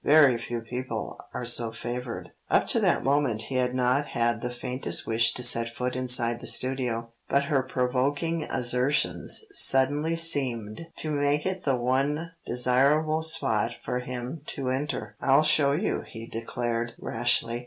Very few people are so favoured." Up to that moment he had not had the faintest wish to set foot inside the studio, but her provoking assertions suddenly seemed to make it the one desirable spot for him to enter. "I'll show you," he declared rashly.